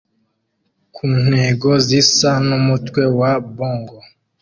ku ntego zisa n'umutwe wa bong